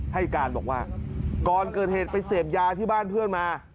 ให้การบอกว่าก่อนเกิดเหตุไปเสพยาที่บ้านเพื่อนมา